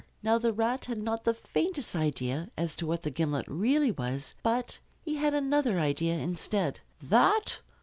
Now the Rat had not the faintest idea as to what the gimlet really was, but he had another idea instead. "That?